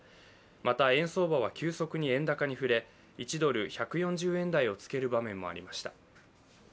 また円相場は急速に円高に振れ１ドル＝１４０円台をつける場面もありました。